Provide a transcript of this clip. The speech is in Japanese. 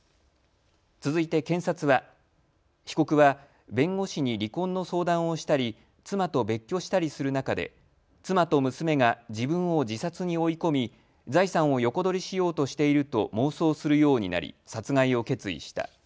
続いて検察は被告は弁護士に離婚の相談をしたり妻と別居したりする中で妻と娘が自分を自殺に追い込み財産を横取りしようとしていると妄想するようになり殺害を決意した。